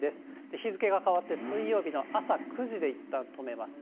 日付が変わって水曜日の朝９時でいったん止めます。